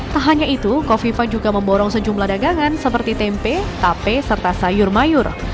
tak hanya itu kofifa juga memborong sejumlah dagangan seperti tempe tape serta sayur mayur